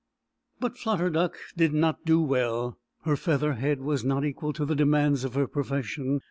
But Flutter Duck did not do well. Her feather head was not equal to the demands of her profession.